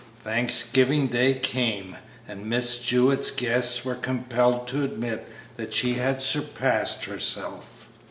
Thanksgiving Day came, and Miss Jewett's guests were compelled to admit that she had surpassed herself.